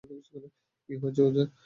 কী হয়েছে ওজের?